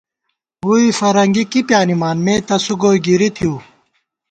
ووئی فرنگی کی پیانِمان مےتسُو گوئی گِری تھِؤ